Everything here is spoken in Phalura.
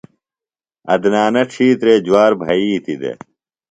عدنانہ ڇِھیترے جُوار بھئیتیۡ دےۡ۔